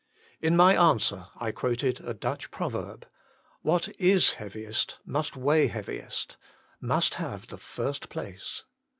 In my answer I quoted a Dutch proverb :" What is heaviest must weigh heaviest, must have the first place.